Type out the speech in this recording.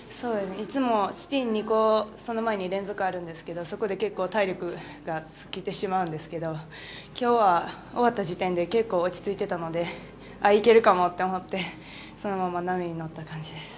いつもスピン２個その前に連続あるんですけどそこで結構、体力が尽きてしまうんですけど今日は終わった時点で結構落ち着いていたのでいけるかもと思ってそのまま波に乗った形です。